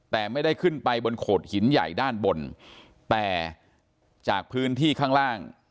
แต่ไม่ได้ขึ้นไปบนโขดหินใหญ่ด้านบนแต่จากพื้นที่ข้างล่าง